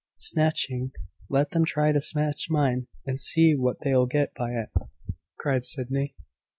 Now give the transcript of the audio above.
"Snatching! let them try to snatch mine, and see what they'll get by it!" cried Sydney.